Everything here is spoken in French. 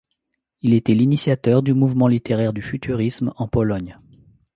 Il était l'initiateur du mouvement littéraire du Futurisme en Pologne.